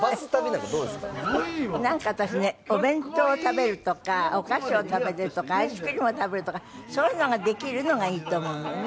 なんか私ねお弁当を食べるとかお菓子を食べるとかアイスクリームを食べるとかそういうのができるのがいいと思うのよね。